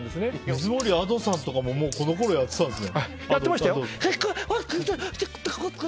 水森亜土さんとかもこのころからやってたんですね。